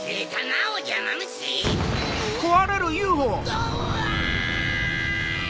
どわ！